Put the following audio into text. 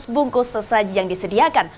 satu dua ratus bungkus sesaji yang disediakan